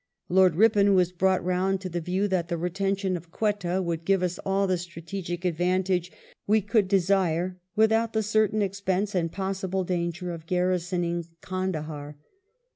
Lord Ripon was brought round to the view that the retention of Quetta would give us all the strategic advantages we could desire without the certain expense and possible danger of garrisoning Kandahar.